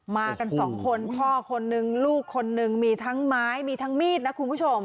มากันสองคนพ่อคนนึงลูกคนนึงมีทั้งไม้มีทั้งมีดนะคุณผู้ชม